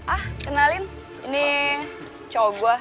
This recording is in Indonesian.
ah kenalin ini cowok gue